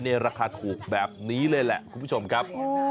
ราคาถูกแบบนี้เลยแหละคุณผู้ชมครับ